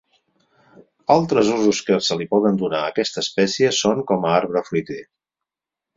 Altres usos que se li poden donar a aquesta espècie són com a arbre fruiter.